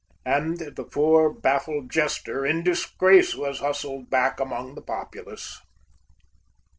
And the poor baffled Jester in disgrace Was hustled back among the populace.